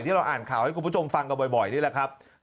ที่เราอ่านข่าวให้คุณผู้ชมฟังกันบ่อยนี่แหละครับ